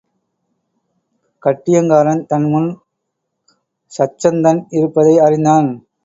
கட்டியங்காரன் தன் முன் சச்சந்தன் இருப்பதை அறிந்தான்.